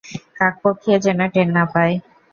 কাকপক্ষীও যেন টের না পায়!